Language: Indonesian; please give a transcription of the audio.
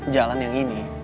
jalan yang ini